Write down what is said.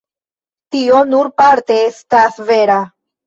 Tio nur parte estas vera.